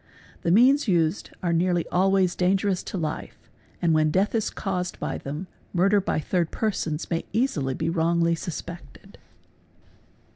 The means used are nearly alway dangerous to life and when death is caused" by them, murder by thir persons may easily be wrongly suspected.